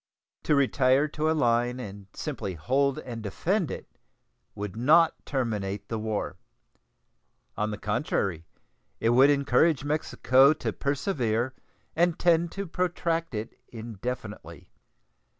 To retire to a line and simply hold and defend it would not terminate the war. On the contrary, it would encourage Mexico to persevere and tend to protract it indefinitely.